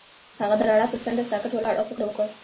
هغه د رڼا پر څنډه ساکت ولاړ او فکر وکړ.